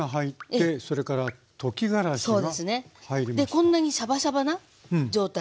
こんなにシャバシャバな状態。